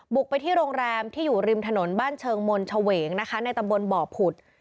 ไปที่โรงแรมที่อยู่ริมถนนบ้านเชิงมนต์เฉวงนะคะในตำบลบ่อผุด